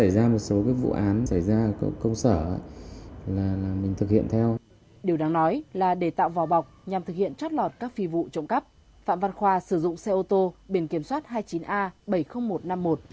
điều đáng nói là để tạo vỏ bọc nhằm thực hiện trót lọt các phi vụ trộm cắp phạm văn khoa sử dụng xe ô tô biển kiểm soát hai mươi chín a bảy mươi nghìn một trăm năm mươi một